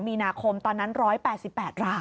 มีนาคมตอนนั้น๑๘๘ราย